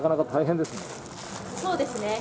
そうですね。